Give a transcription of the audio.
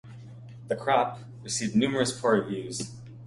"The Crop" received numerous poor reviews.